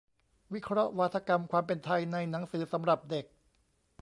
วิเคราะห์วาทกรรม "ความเป็นไทย" ในหนังสือสำหรับเด็ก